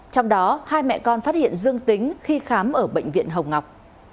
trong đó hai mẹ con phát hiện dương tính khi khám ở bệnh viện hồng ngọc